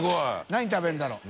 何食べるんだろう？